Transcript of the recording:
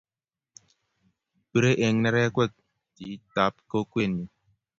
Birei eng' nerekwek laak chich chitab kokwenyu